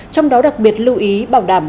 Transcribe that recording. trong đó đặc biệt lưu ý bảo đảm